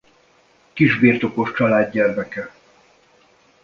Kisbirtokos család gyermeke.